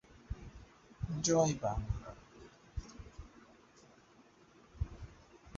তিনি অভিনেতা-পরিচালক ও নাট্যকার এবং থিয়েটার গ্রুপ চেতনার সাথে যুক্ত।